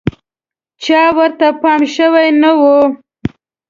چا ورته پام شوی نه و.